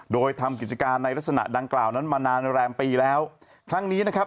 โดยทำกิจการในลักษณะดังกล่าวนั้นมานานแรมปีแล้วครั้งนี้นะครับ